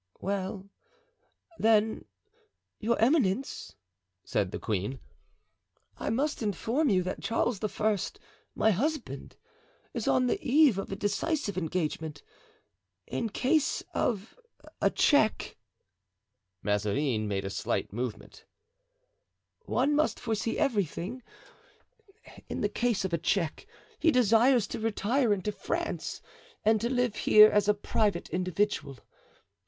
"Well, then, your eminence," said the queen, "I must inform you that Charles I., my husband, is on the eve of a decisive engagement. In case of a check" (Mazarin made a slight movement), "one must foresee everything; in the case of a check, he desires to retire into France and to live here as a private individual.